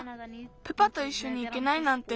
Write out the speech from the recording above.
プパといっしょにいけないなんて。